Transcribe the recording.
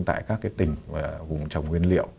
tại các tỉnh vùng trồng nguyên liệu